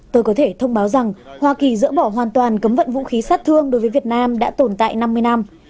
tôi có thể thông báo rằng hoa kỳ dỡ bỏ hoàn toàn cấm vận vũ khí sát thương đối với việt nam đã tồn tại năm mươi năm